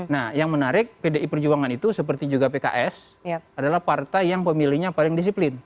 nah yang menarik pdi perjuangan itu seperti juga pks adalah partai yang pemilihnya paling disiplin